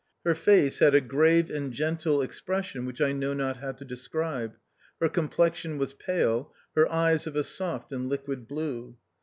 Her face had a grave and gentle expression which I know not how to describe, her com plexion was pale, her eyes of a soft and liquid blue.